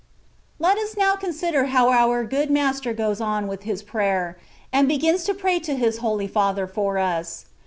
Let us now consider how our Good Master ^oes on (with His prayer), and begins to pray to llis Holy Father for us.